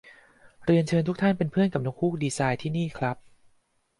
เริยญเชิญทุกท่าน เป็นเพื่อนกับนกฮูกดีไซน์ ที่นี่ครับ